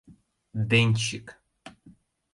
Денщик!